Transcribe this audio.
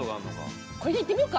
これでいってみようか。